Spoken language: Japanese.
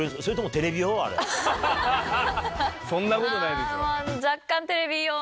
そんなことないでしょ。